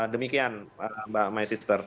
demikian mbak my sister